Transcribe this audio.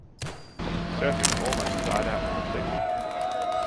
Surfing almost died out completely.